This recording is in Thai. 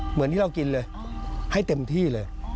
เหมือนที่เรากินเลยให้เต็มที่เลย